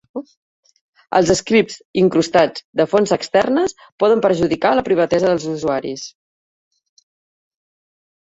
Els scripts incrustats de fonts externes poden perjudicar la privadesa dels usuaris.